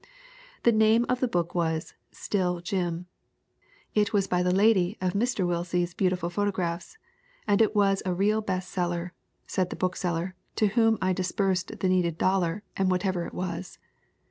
The name of the book was Still Jim. It was by the lady of Mr. Willsie's beautiful photographs and it was a real best seller, said the bookseller, to whom I disbursed the needed dollar and whatever it was.